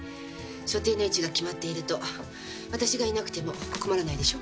所定の位置が決まっていると私がいなくても困らないでしょ？